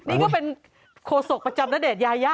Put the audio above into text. นี่ก็เป็นโคศกประจำณเดชนยายา